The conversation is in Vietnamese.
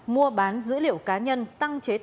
mua bán dữ liệu cá nhân tăng trưởng